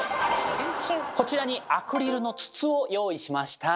こちらにアクリルの筒を用意しました。